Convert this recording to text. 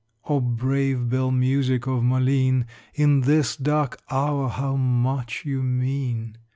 O brave bell music of Malines, In this dark hour how much you mean!